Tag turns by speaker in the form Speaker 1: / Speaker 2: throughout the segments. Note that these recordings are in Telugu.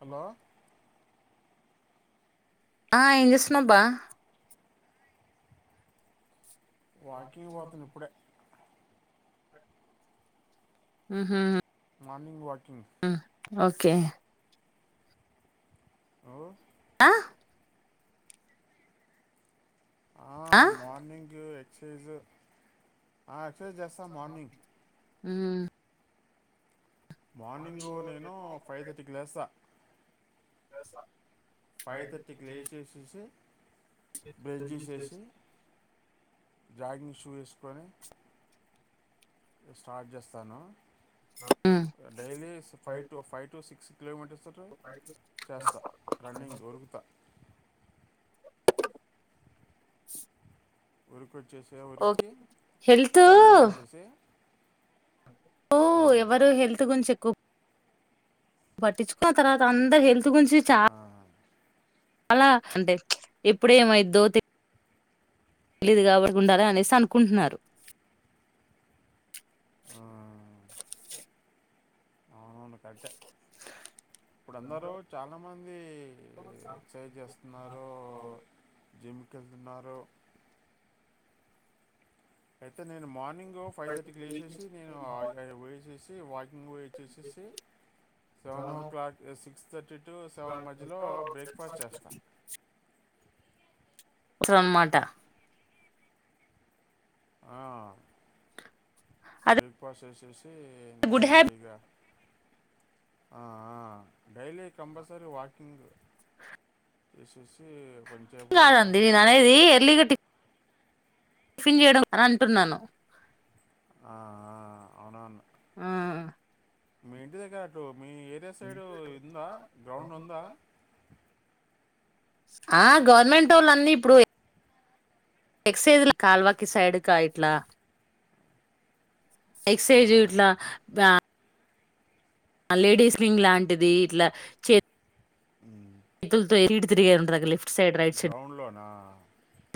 Speaker 1: హలో
Speaker 2: ఆ ఏం చేస్తున్నావ్ బా
Speaker 1: వాకింగ్ పోతున్న ఇప్పుడే
Speaker 2: ఆహా
Speaker 1: మార్నింగ్ వక్
Speaker 2: ఆ ఓకే
Speaker 1: నువ్వు
Speaker 2: ఆ
Speaker 1: ఆ మార్నింగ్ కి [unintelligible] చేజు ఆ ఎక్సైజ్ చేస్తా మార్నింగ్
Speaker 2: ఉమ్
Speaker 1: మార్నింగు నేను ఫైవ్ థర్టీకి లేస్సా
Speaker 2: పొయ్యిస్స
Speaker 1: ఫైవ్ థర్టీకి లేచేసేసి బ్రష్ చేసేసి జాగింగ్ షూ వేసుకొని స్టార్ట్ చేస్తాను
Speaker 2: ఉమ్,
Speaker 1: daily five to five to six కిలోమీటర్సురు చేస్తా రన్నింగ్ దొరుకుతా ఉరు ఇప్పుడు
Speaker 2: ఓకే
Speaker 1: చేసేవరికి
Speaker 2: హెల్త్
Speaker 1: రన్నింగ్ చేసేసి
Speaker 2: ఓ
Speaker 1: మ్,
Speaker 2: ఎవరు హెల్త్ గురించి ఎక్కువ్ బట్టిచుకో ఆ తర్వాత అందరు హెల్
Speaker 1: ఆ
Speaker 2: చాలా అంటే ఎప్పుడేమైద్దో తె లీదు కాబట్టి ఉండాల అనేసి అనుకుంన్నారు
Speaker 1: ఆ, అవును కరెట్టే ఇప్పుడు అందరు చాల చానామంది జిమ్కి వెళ్తున్నారు అయితే నేను మార్నింగ్ ఫైవ్ థర్టీ కి లేచేసి నేను వాకింగ్ పోయి వచ్చేసి seven o'clock six fifty to seven మధ్యలో బ్రేక్ పాస్ట్ చేస్తా
Speaker 2: సో అనమాట
Speaker 1: ఆ
Speaker 2: అదే
Speaker 1: బ్రేక్ఫాస్ట్ చేసి
Speaker 2: గుడ్ హ్యాబిట్
Speaker 1: ఆ డైలీ కంపల్సరీ వాకింగ్ చూస్
Speaker 2: కాదండి నేను అనేది ఎర్లీ ఫిన్ చేయడం అని అంటున్నాను.
Speaker 1: ఆ అవునను
Speaker 2: ఆ
Speaker 1: మీ ఇంటిదగ్గర కో మీ ఏరియా సైడు ఉందా గ్రౌండ్ ఉందా
Speaker 2: ఆ గవర్నమెంటోళ్ళన్నీ ఇప్పుడు ఎక్సైజల కల్వాకి సైడుకి ఇట్లా ఎక్ససైజ్ ఇట్లా లేడీస్ వింగ్ లాంటిది ఇట్లా చే
Speaker 1: ఉ
Speaker 2: తుతో తరిగిగ
Speaker 1: గ్రౌండ్లోనా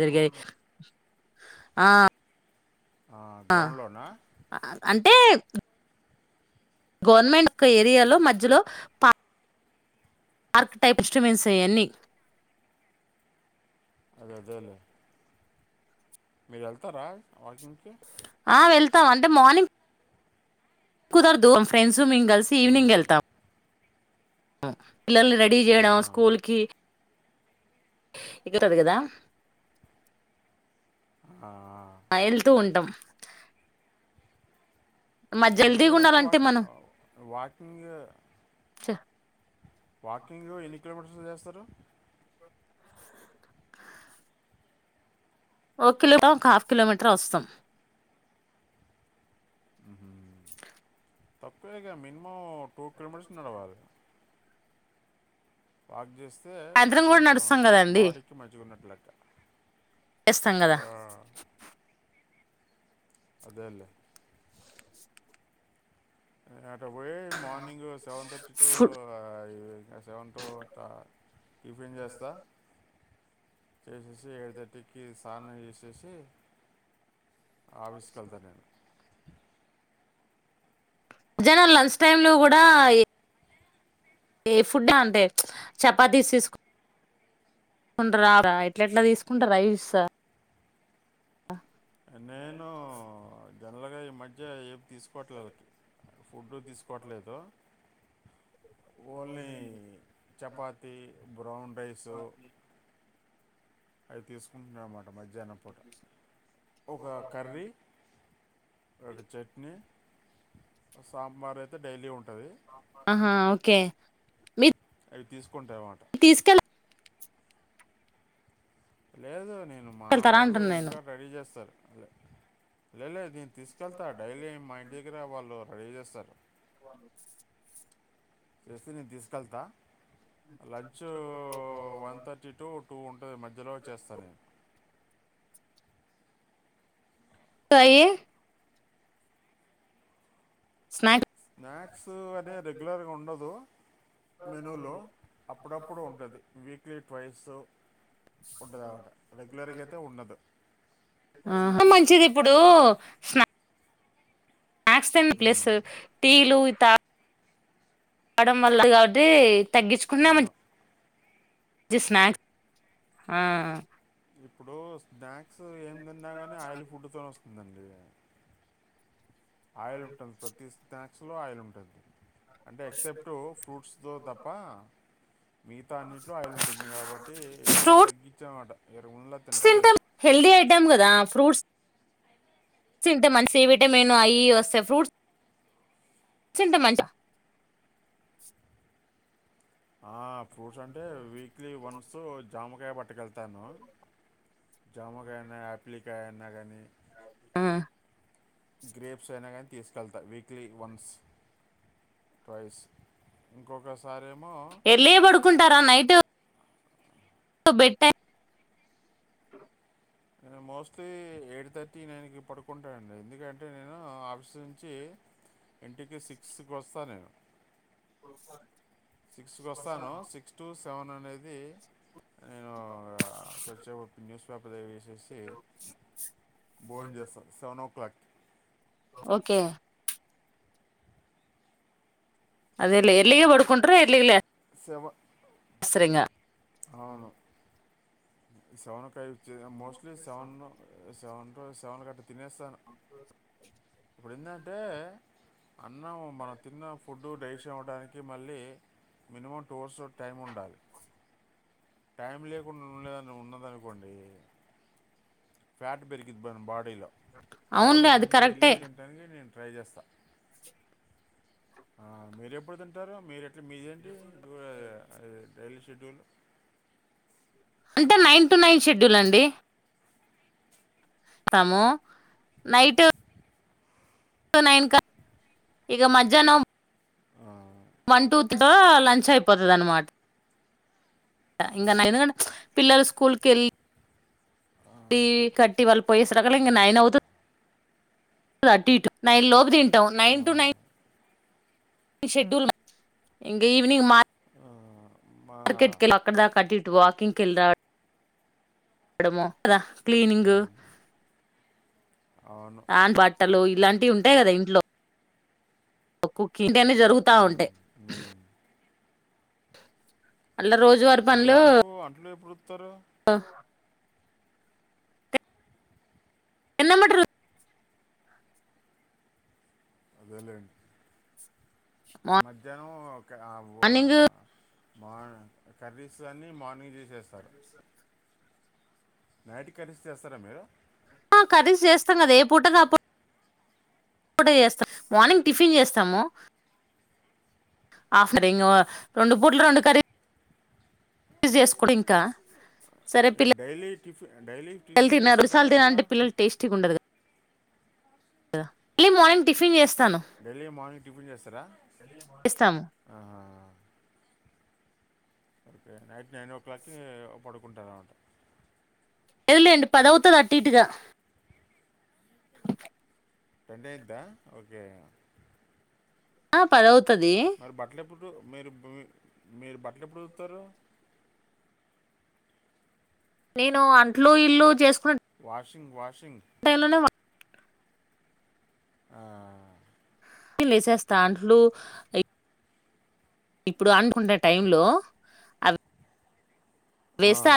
Speaker 2: తిరిగేది ఆ ఆ అంటే గవర్నమెంట్ ఒక ఏరియాలో మధ్యలో పా పార్క్ టైప్స్మన్సేయన్ని
Speaker 1: అదేలే మీరు వెళ్తారా వాటి నుంచి
Speaker 2: ఆ వెళ్తాం అంటే మార్నింగ్ కుదరదు ఫ్రెండ్స్ మేము కలిసి
Speaker 1: ఆ,
Speaker 2: ఈవినింగ్ వెళ్తాం ఆ పిల్లలని రెడీ చేయడం
Speaker 1: ఆహా.
Speaker 2: స్కూల్ కి ఎకుతది కదా
Speaker 1: ఆ,
Speaker 2: వెళ్తూ ఉంటాం మధ్య
Speaker 1: ఎన్ని కిలో
Speaker 2: హెల్తీగా
Speaker 1: మీటర్స్
Speaker 2: ఉండాలంటే
Speaker 1: వాకింగ్
Speaker 2: మనం
Speaker 1: వాకింగ్ వాకింగ్ ఎన్ని కిలోమీటర్స్ చేస్తారు బ్రలు
Speaker 2: ఒక కిలోగా ఇంకా హాఫ్ కిలోమీటర్ వస్తాం
Speaker 1: తప్పే ఇక మినిమం టూ కిలోమీటర్స్ నడవాలి వాక్ చేస్త అయితే అప్పుడు
Speaker 2: సాయంత్రం కూడా
Speaker 1: కొంచెం
Speaker 2: నడుస్తాం కదండి
Speaker 1: బాడీకి మజ్ిగా ఉన్నట్ల
Speaker 2: చేస్తాం కదా
Speaker 1: అదలు బయే morning seven thirty to
Speaker 2: food
Speaker 1: seven ట టిఫిన్ చేస్తా చేసేసి ఏడు తటికి స్నానం చేసేసి ఆవిసులా వెళ్తాను నేను
Speaker 2: అజనా లంచ్ టైమ్ లో కూడా ఏ ఫుడ్ అంతే చపాతీసి తీస్ తీసుకుంట రా ఇట్ల ఎట్లా తీసుకుంటా రైస్
Speaker 1: నేను జనరల్గా ఈ మధ్య ఏమి తీసుకోవట్లేదు వాళ్ళకి ఫుడ్ తీసుకోవట్లేదు ఓన్లీ చపాతి బ్రౌన్ రైసు అయితే తీసుకుంటన్నా మ మధ్యాహ్నం పూట ఒక కర్రీ ఒక చట్నీ సాంబార్ అయితే డైలీ ఉం
Speaker 2: ఆహా ఓకే మీరు
Speaker 1: అవి తీస్ కుంటే అన్నమాట లేదు నేను నేను మా
Speaker 2: తీసుకెళ్తారా
Speaker 1: ఆవలు
Speaker 2: అంటున్నా నేను
Speaker 1: ఇంటిగా రెడీ చేస్తారు అ లే దీ తీసుకెళ్తా డైలీ మా ఇంటి దగ్గర వాళ్ళు రడీ చేస్తారు
Speaker 2: అవు
Speaker 1: చేస్తే నేను తీసుకెళ్తా లంచ వన్ థర్టీ టు చుట్టూ ఉంటుంది మధ్యలో చేస్తా నేను
Speaker 2: సయి స్నాక్స్
Speaker 1: స్నాక్స్ అదే రెగ్యులర్గా ఉండదు మెనులో అప్పుడప్పుడు ఉంటది వీక్లీ ఫైసు ఉంటదన్ మాట రెగ్యులర్గా అయితే ఉండదు
Speaker 2: మంచిది ఇప్పుడు స్నా స్నాక్స్ తిన
Speaker 1: మ్మ్,
Speaker 2: ప్లసు టీలు త అడం వళ్ల్లది కాబట్టి తగ్గిచుకున్నామండ్
Speaker 1: అవును
Speaker 2: జెస్ స్నాక్ ఆ
Speaker 1: ఇప్పుడు స్నాద్ సో ఏం తిన్నా గానీ ఆయిల్ ఫుడ్తోన్ వస్త్ ఉందండి ఆయిల్ [unintelligible] స్లో ఆయిల్ ఉంటద్ అంటే ఎక్సెప్ట్ ఫ్రూట్స్తో తప్ప మిగతా అన్నింటిలో ఆయిల్ ఉంటుంది కాబట్టి ఎక్కువ తగ్గించమాట
Speaker 2: స్ తింటా హెల్దీ ఐటమ్ గదా ఫ్రూట్స్ చింటె మంచి విటమిన్ అయి వస్తే ఫ్రూట్స్ తింటే మంచి
Speaker 1: ఆ ప్ ఫ్రూట్స్ అంటే వీక్లీ వన్స్ జామకాయ పట్టుకెళ్తాను జామకాయన్న ఆపిలికాయన్న గానీ
Speaker 2: ఆ
Speaker 1: గ్రేప్స్ అయినా కానీ తీసుకెళ్తా వీక్లీ వన్స్ ట్వైస్ ఇంకొకసారేమ్
Speaker 2: ఎర్లీ గా పడుకుంటారా నైట్ బెడ్ టైం
Speaker 1: నేను మోస్ట్లీ ఎడ్త్ తర్టీ నైన్కి పడుకోన్ ఎందుకంటే నేను ఆఫీస్ నుంచి ఇంటికి సిక్స్కి వస్తా నేను సిక్స్ కి వస్తాను సిక్స్ టు సెవెన్ అనేది నేను వచ్చే వరకు న్యూస్ పపదవి వచ్చసి బోర్ం చేస్తారు సెవెన్ ఓ క్లాక్
Speaker 2: ఓకే అదే లే ఎర్లీగా కుంట్ర ఇర్లిలే
Speaker 1: సెవెన్
Speaker 2: వస్రంగా
Speaker 1: అవును సౌనకాయ mostly seven seven [unintelligible] seven cut ఇప్పుడు ఏంటంటే అన్నం మనం తిన్న ఫుడ్ డైష్ అవ్వడానికి మళ్ళీ మినిమం టూర్స్ టైమ్ ఉండాలి టైం లేకుండా ఉండలేదు ఉన్నదనుకోండి ఫ్యాట్ పెరుకిద్ బా డీలో కాబట్టి
Speaker 2: అవునులే అది
Speaker 1: ఏంటండి
Speaker 2: కరెక్టే
Speaker 1: వెళ్ళగా తినడానీకె నేను ట్రై చేస్తా ఆ మీర్ ఎప్పుడు తింటార మీర మీదేంటి [unintelligible] రైల్వే షెడ్యూల్
Speaker 2: అంటే నైన్ టు నైన్ షెడ్యూల్ అండి తామో నైట్ నైన్ క ఇక మధ్యాహ్నం
Speaker 1: ఆ
Speaker 2: వన్ టూ తో లంచ్ అయిపోతది అన్నమాట ఇంకా నైన్ కంటే పిల్లలు స్కూల్ కెళ్ళి,
Speaker 1: ఆ,
Speaker 2: కట్టి వాళ్ళు పోయేస ఇంకా నైన్ అవుతుంది థట్టిటు నైన్ లోపు తింటాం
Speaker 1: ఆ,
Speaker 2: నైన్ టు నైన్ ఇ షెడ్యూల్ ఇంకా ఈవవ్నింగ్ మ
Speaker 1: ఆ, మా
Speaker 2: క్రికెట్ కె అక్కదాకా అటి ఇట్ వాకింగ్ ఎల్లి రావడమో క్లీనింగ్
Speaker 1: మ్, అవును
Speaker 2: ఆన్ పట్ బట్టలు ఇలాంటివి ఉంటాయి కదా ఇంట్లో కుకి ఇంటి అనే జరుగుత
Speaker 1: ఉమ్,
Speaker 2: ఉంటాయి
Speaker 1: ఉమ్.
Speaker 2: అల రోజువారి పనులూ
Speaker 1: అత్తరు
Speaker 2: ఆహ ఎన్నం మటరు
Speaker 1: అదెలెండి మధ్యనము ఓ క్యావువా
Speaker 2: మార్నింగ్
Speaker 1: వావ్ కర్రీ సన్ని మానిజె జెస్తారు యాడి కలిస్తే వొస్తారా మీరు
Speaker 2: అ కర్రీస్ చేస్తున్నది ఏపూటది అపు ఇప్పుడె చేస్తాము మార్నింగ్ టిఫిన్ చేస్తాము ఆప్రింగు ఓ రెండు పూట్లు రెండు కర్రీలు చేసుకుంటే ఇం ఇంకా సరే
Speaker 1: ఏ,
Speaker 2: పిల్ల
Speaker 1: డైలీ టిఫిన్ డైలీ
Speaker 2: పిల్లలు
Speaker 1: టిఫిన్
Speaker 2: తిన్నారు
Speaker 1: చేస్తారా
Speaker 2: రెండుసాలు
Speaker 1: ఎట్లా
Speaker 2: తినంటే పిల్లలు టేస్టీగా ఉండదు కదా ఎ ఎర్లీ మార్నింగ్ టిఫిన్ చేస్
Speaker 1: డైలి మాని స్తా ర
Speaker 2: చేస్తాము
Speaker 1: ఆ ఓకే నైట్ నైన్ ఓ క్లాక్కి పడుకుంటార
Speaker 2: ఎలేండి పదవుతది అటు ఇటుగా
Speaker 1: టెన్ అయిందా ఓకే
Speaker 2: ఆ తర్వుతు
Speaker 1: మరి బట్లఎప్పుడు మీరు మీ మీరు బట్లే ఎప్పుడు ఉతుకుతారు
Speaker 2: నేను అంట్లు ఇల్లు చేసు ఫన్
Speaker 1: సింగ్ వాష్
Speaker 2: టైలోనే
Speaker 1: ఆ
Speaker 2: లేసేస్తాంట్లు ఇప్పుడు అనుకున్న టై లో అవి
Speaker 1: ఆ.
Speaker 2: వేస్తా